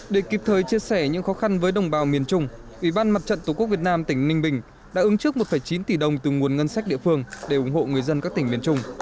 để kịp thời chia sẻ những khó khăn với đồng bào miền trung ủy ban mặt trận tổ quốc việt nam tỉnh ninh bình đã ứng trước một chín tỷ đồng từ nguồn ngân sách địa phương để ủng hộ người dân các tỉnh miền trung